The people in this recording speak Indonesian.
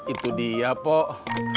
itu dia pok